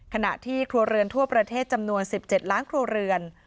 ขณะที่ครัวเรือนทั่วประเทศจำนวน๑๗ล้านครัวเรือน